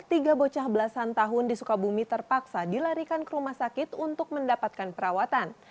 tiga bocah belasan tahun di sukabumi terpaksa dilarikan ke rumah sakit untuk mendapatkan perawatan